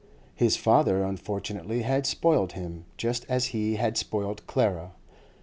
His father, unfortunately, had spoilt him, just as he had spoilt Clara.